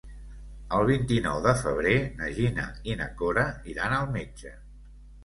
El vint-i-nou de febrer na Gina i na Cora iran al metge.